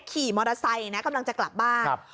ขี่มอเตอร์ไซต์เนี้ยกำลังจะกลับบ้างครับ